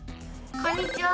こんにちは！